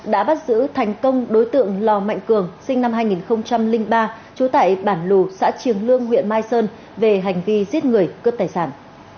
đã bắt giữ thành công đối tượng lò mạnh cường sinh năm hai nghìn ba trú tại bản lù xã triềng lương huyện mai sơn về hành vi giết người cướp tài sản